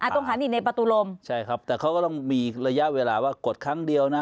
ตรงหานี่ในประตูลมใช่ครับแต่เขาก็ต้องมีระยะเวลาว่ากดครั้งเดียวนะ